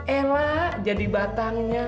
ella jadi batangnya